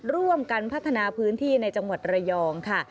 ร่วมกันพัฒนาพื้นที่ในจังหวัดระยองค่ะ